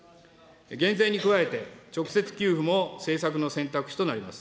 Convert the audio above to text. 減税に加えて、直接給付も政策の選択肢となります。